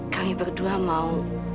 kami berdua mau